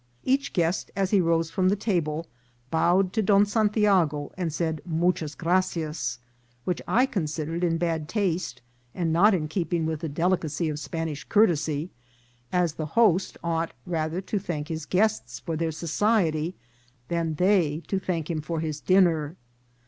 Each guest, as he rose from the table, bowed to Don Santiago, and said " muchas gratias," which I con sidered in bad taste, and not in keeping with the deli cacy of Spanish courtesy, as the host ought rather to thank his guests for their society than they to thank him for his dinner.